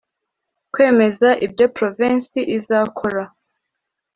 kwemeza ibyo provensi izakora